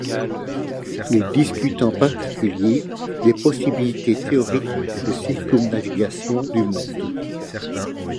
Il discute en particulier des possibilités théoriques de circumnavigation du monde.